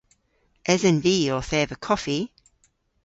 Esen vy owth eva koffi?